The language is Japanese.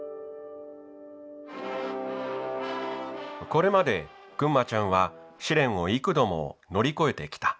これまでぐんまちゃんは試練を幾度も乗り越えてきた。